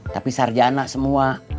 tapi sarjana semua